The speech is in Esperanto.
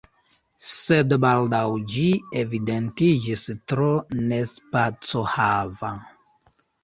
Sed baldaŭ ĝi evidentiĝis tro nespacohava.